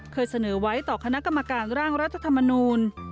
เคยเสนอไว้ต่อคณะกรรมการร่างรัฐธรรมนูล